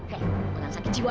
hei orang sakit jiwa